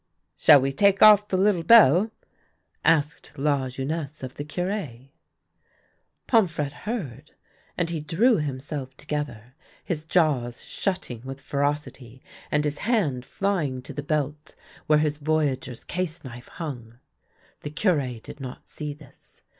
" Shall we take ofif the little bell ?" asked Lajeunesse of the Cure. Pomfrette heard, and he drew himself together, his jaws shutting with ferocity, and his hand flying to the THE LITTLE BELL OF HONOUR 105 belt where his voyageur's case knife hung. The Cure did not see this.